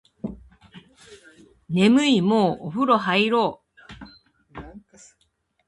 眠いもうお風呂入ろう